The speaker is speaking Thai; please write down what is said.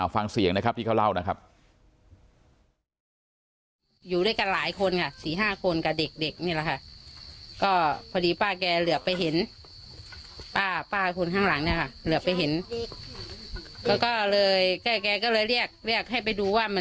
ฟังเสียงนะครับที่เขาเล่านะครับ